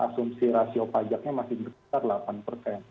asumsi rasio pajaknya masih besar delapan